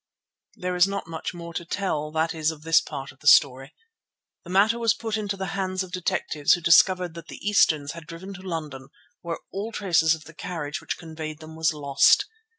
There is not much more to tell, that is of this part of the story. The matter was put into the hands of detectives who discovered that the Easterns had driven to London, where all traces of the carriage which conveyed them was lost.